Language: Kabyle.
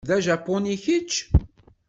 D ajapuni kečč?